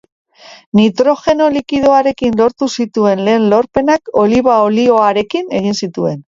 Nitrogeno likidoarekin lortu zituen lehen lorpenak oliba olioarekin egin zituen.